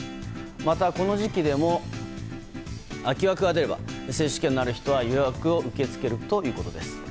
また、この時期でも空き枠が出れば接種券のある人は予約を受け付けるということです。